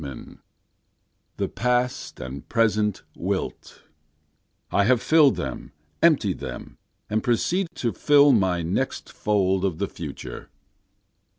51 The past and present wilt I have fill'd them, emptied them. And proceed to fill my next fold of the future.